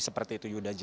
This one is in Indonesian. seperti itu yuda